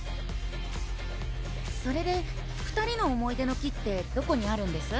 それで２人の思い出の木ってどこにあるんです？